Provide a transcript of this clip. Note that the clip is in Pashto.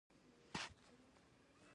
د لنډ وخت لپاره د ولسي لښکر راټولول شو وو.